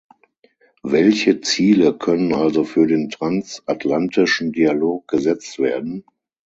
Welche Ziele können also für den transatlantischen Dialog gesetzt werden?